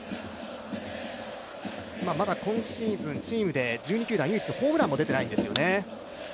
まだ今シーズン１２チームで唯一、ホームランも出ていないんですよね。